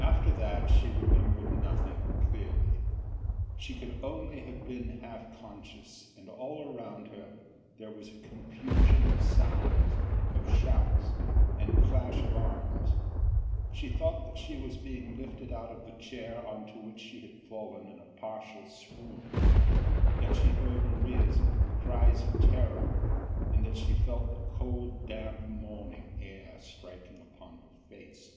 After that she remembered nothing clearly. She could only have been half conscious and all round her there was a confusion of sounds, of shouts and clash of arms: she thought that she was being lifted out of the chair into which she had fallen in a partial swoon, that she heard Maria's cries of terror, and that she felt the cold damp morning air striking upon her face.